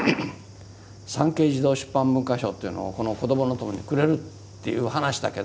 産経児童出版文化賞というのをこの「こどものとも」にくれるっていう話だけどもっていうこと。